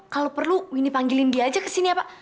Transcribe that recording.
kalau perlu winnie panggilin dia aja ke sini ya pak